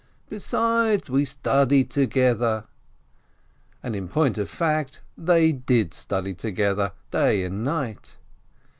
Besides, we study together." And, in point of fact, they did study to gether day and night.